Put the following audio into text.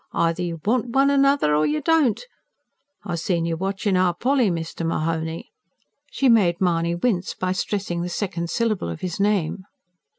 Either you want one another or you don't. I seen you watchin' our Polly, Mr. Mahony" she made Mahony wince by stressing the second syllable of his name.